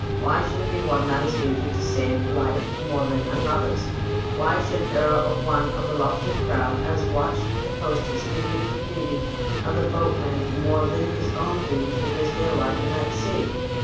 Why should it be one man's duty to save life more than another's? Why should e'er a one of the Lowestoft crowd as watched the coasters think it the duty of the boatmen more than his own duty to risk their life in that sea